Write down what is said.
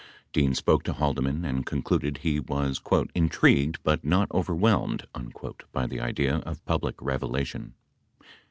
Dean spoke to Haldeman and concluded he w T as "intrigued but not overwhelmed" by the idea of public revelation.